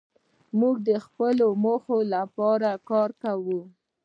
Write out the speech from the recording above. موږ د خپلو موخو لپاره کار کوو.